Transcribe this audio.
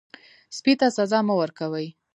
سپي ته سزا مه ورکوئ.